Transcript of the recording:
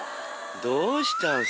どうしたの？